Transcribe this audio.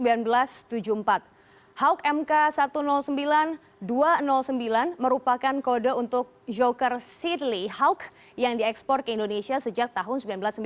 hoax mk satu ratus sembilan ribu dua ratus sembilan merupakan kode untuk joker cityly hawk yang diekspor ke indonesia sejak tahun seribu sembilan ratus sembilan puluh